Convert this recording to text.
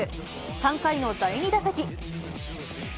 ３回の第２打席。